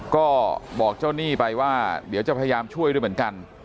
ก็บอกเจ้าหนี้ไปว่าเดี๋ยวจะพยายามช่วยด้วยเหมือนกัน